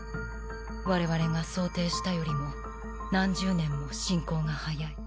我々が想定したよりも何十年も進行が早い。